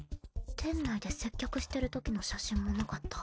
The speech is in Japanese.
店内で接客してるときの写真もなかった？